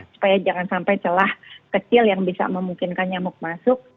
supaya jangan sampai celah kecil yang bisa memungkinkan nyamuk masuk